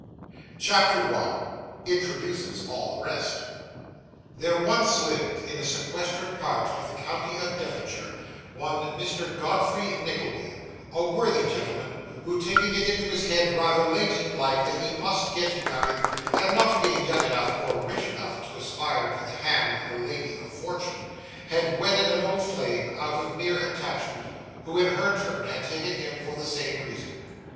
CHAPTER 1 Introduces all the Rest There once lived, in a sequestered part of the county of Devonshire, one Mr. Godfrey Nickleby: a worthy gentleman, who, taking it into his head rather late in life that he must get married, and not being young enough or rich enough to aspire to the hand of a lady of fortune, had wedded an old flame out of mere attachment, who in her turn had taken him for the same reason.